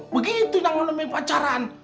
begitu yang lo namanya pacaran